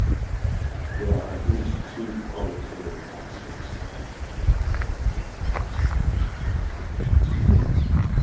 There are at least two qualitative axes on which we can classify these implementations.